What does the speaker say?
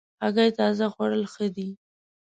هګۍ تازه خوړل ښه دي.